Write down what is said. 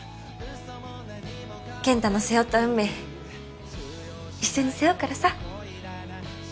健太の背負った運命一緒に背負うからさ。